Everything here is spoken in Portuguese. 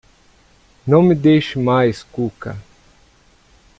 Não me deixe mais, Cuca!